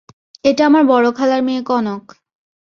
এটা আমার বড় খালার মেয়ে কনক।